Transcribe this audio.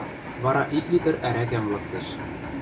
Вара ик литр ӓрӓкӓм лыктеш.